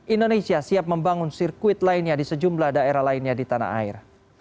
indonesia siap membangun sirkuit lainnya di sejumlah daerah lainnya di tanah air